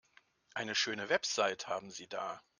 Eine schöne Website haben Sie da.